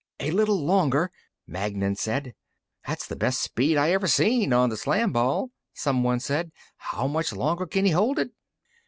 "A little longer," Magnan said. "That's the best speed I ever seen on the Slam ball," someone said. "How much longer can he hold it?"